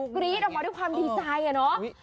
กรี๊ดออกมาด้วยความดีใจอะเนาะ